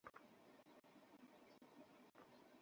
দেখ, রোগী বিভিন্ন রকমের হয়।